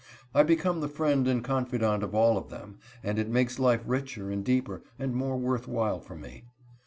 I become the friend and confidant of all of them, and it makes life richer and deeper and more worth while for me.